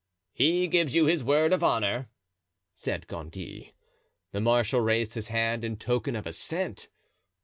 "He gives you his word of honor," said Gondy. The marshal raised his hand in token of assent.